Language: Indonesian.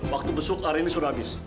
waktu besuk hari ini sudah habis